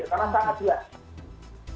karena sangat jelas